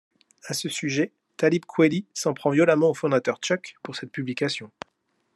À ce sujet, Talib Kweli s'en prend violemment au fondateur Chuck pour cette publication.